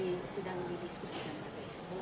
nanti sedang didiskusikan pak